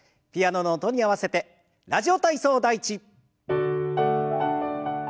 ピアノの音に合わせて「ラジオ体操第１」。